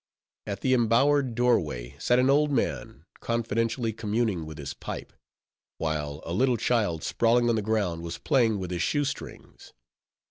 At the embowered doorway, sat an old man, confidentially communing with his pipe: while a little child, sprawling on the ground, was playing with his shoestrings.